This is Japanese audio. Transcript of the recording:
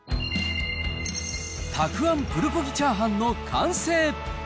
たくあんプルコギチャーハンの完成！